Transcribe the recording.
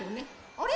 あれ？